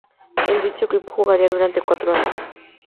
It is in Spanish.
En dicho club jugaría durante cuatro años.